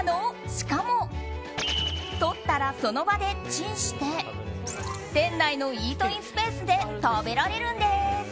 しかも、取ったらその場でチンして店内のイートインスペースで食べられるんです。